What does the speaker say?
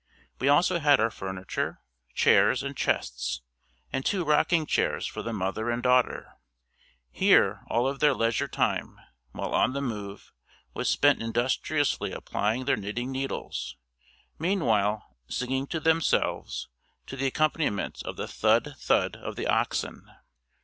We also had our furniture, chairs and chests and two rocking chairs for the mother and daughter. Here all of their leisure time, while on the move, was spent industriously applying their knitting needles, meanwhile singing to themselves to the accompaniment of the thud, thud of the oxen.